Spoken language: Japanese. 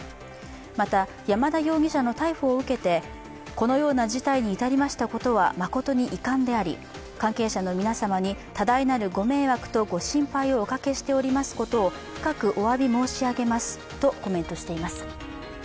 また、山田容疑者の逮捕を受けてこのような事態に至りましたことは誠に遺憾であり、関係者の皆様に多大なるご迷惑とご心配をおかけしておりますことを深くおわび申し上げますとコメントしています。